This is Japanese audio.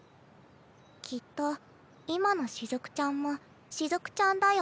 きっと今のしずくちゃんもしずくちゃんだよ。